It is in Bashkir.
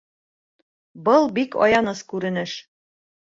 Был бик аяныс күренеш.